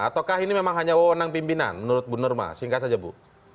ataukah ini memang hanya wawonan pimpinan menurut bu nurma singkat saja bu